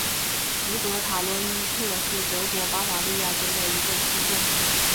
福格塔罗伊特是德国巴伐利亚州的一个市镇。